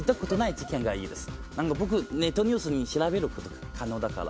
僕ネットニュース調べること可能だから。